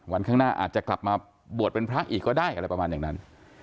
ข้างหน้าอาจจะกลับมาบวชเป็นพระอีกก็ได้อะไรประมาณอย่างนั้น